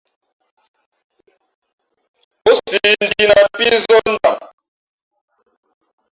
Ǒ siʼ njǐ nāt pí zᾱh ndam.